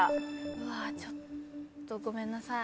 うわっちょっとごめんなさい。